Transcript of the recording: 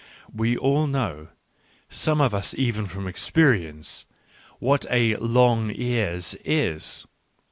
— We all know, some of us even from experience, what a " long ears " is.